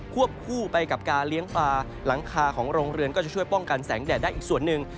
วบคู่ไปกับการเลี้ยงปลาหลังคาของโรงเรือนก็จะช่วยป้องกันแสงแดดได้อีกส่วนหนึ่ง